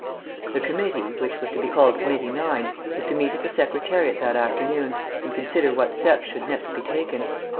The committee (which was to be called Committee 9) was to meet at the Secretariat that afternoon and consider what steps should next be taken.